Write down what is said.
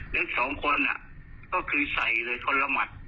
แล้วสองคนก็คือใส่เลยคนละหมัด